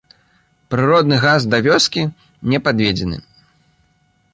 Прыродны газ да вёскі не падведзены.